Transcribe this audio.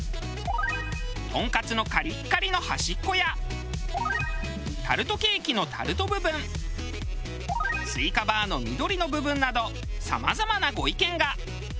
とんかつのカリッカリの端っこやタルトケーキのタルト部分スイカバーの緑の部分などさまざまなご意見が。